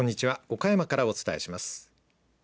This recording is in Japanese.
岡山からお伝えします。